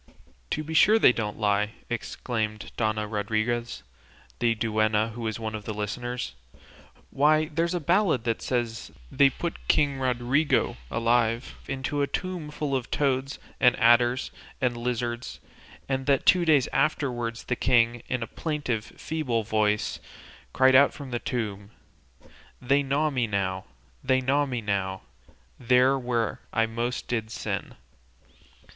"To be sure they don't lie!" exclaimed Dona Rodriguez, the duenna, who was one of the listeners. "Why, there's a ballad that says they put King Rodrigo alive into a tomb full of toads, and adders, and lizards, and that two days afterwards the king, in a plaintive, feeble voice, cried out from within the tomb They gnaw me now, they gnaw me now, There where I most did sin.